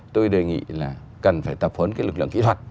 tôi đề nghị là cần phải tập huấn cái lực lượng kỹ thuật